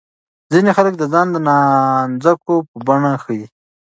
ځینې خلک ځان د نانځکو په بڼه ښيي.